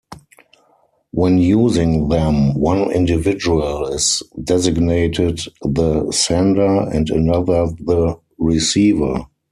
When using them, one individual is designated the "sender" and another the "receiver".